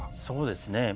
そうですね。